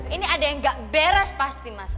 ini ada yang gak beres pasti mas